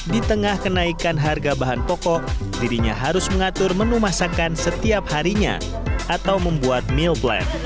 di tengah kenaikan harga bahan pokok dirinya harus mengatur menu masakan setiap harinya atau membuat meal black